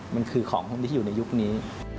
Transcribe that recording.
มันคือของที่อยู่ในยุคนี้